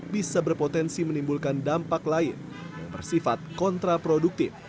bisa berpotensi menimbulkan dampak lain yang bersifat kontraproduktif